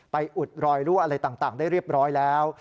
อุดรอยรั่วอะไรต่างได้เรียบร้อยแล้ว